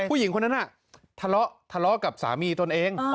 ผู้หญิงคนนั้นน่ะทะเลาะกับสามีตนเอง